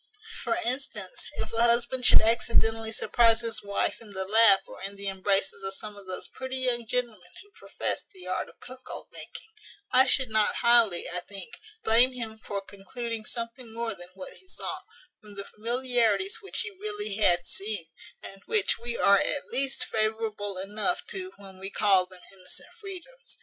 For instance, if a husband should accidentally surprize his wife in the lap or in the embraces of some of those pretty young gentlemen who profess the art of cuckold making, I should not highly, I think, blame him for concluding something more than what he saw, from the familiarities which he really had seen, and which we are at least favourable enough to when we call them innocent freedoms.